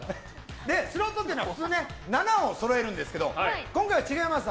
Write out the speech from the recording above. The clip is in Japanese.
スロットっていうのは普通７をそろえるんですけど今回は違います。